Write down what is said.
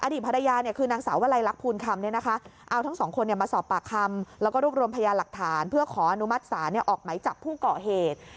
อดีตภรรยาเนี่ยคือนางสาวไวรัยรักภูณคำเนี่ยนะคะเอาทั้งสองคนเนี่ยมาสอบปากคำแล้วก็รุกรมพยาหลักฐานเพื่อขออนุมัติศาสตร์เนี่ยออกไหมจากผู้เกาะเหตุ